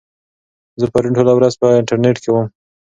زه پرون ټوله ورځ په انټرنيټ کې وم.